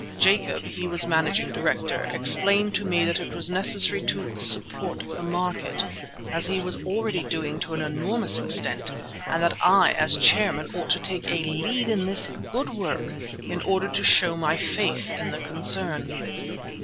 Jacob, he was managing director, explained to me that it was necessary to "support the market," as he was already doing to an enormous extent, and that I as chairman ought to take a "lead in this good work" in order to show my faith in the concern.